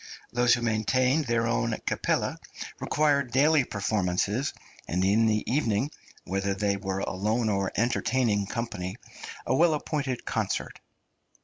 Those who maintained their own Kapelle required daily performances, and in the evening, whether they were alone or entertaining company, a well appointed concert.